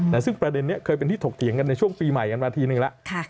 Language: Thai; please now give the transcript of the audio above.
แต่ซึ่งประเด็นนี้เคยเป็นที่ถกเถียงกันในช่วงปีใหม่กันมาทีนึงแล้ว